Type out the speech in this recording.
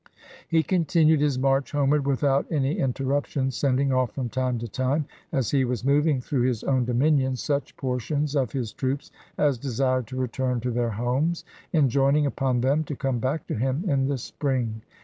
He continued his march homeward without any in terruption, sending off, from time to time, as he was moving through his own dominions, such portions of his 319 PERSIA troops as desired to return to their homes, enjoining upon them to come back to him in the spring.